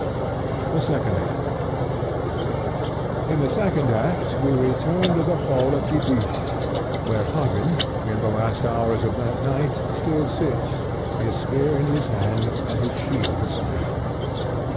The Second Act In the second act we return to the hall of Gibich, where Hagen, in the last hours of that night, still sits, his spear in his hand, and his shield beside him.